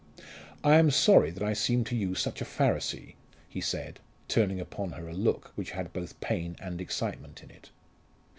"I am sorry that I seem to you such a Pharisee," he said, turning upon her a look which had both pain and excitement in it.